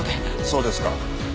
そうですか。